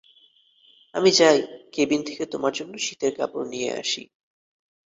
আমি যাই, কেবিন থেকে তোমার জন্য শীতের কাপড় নিয়ে আসি।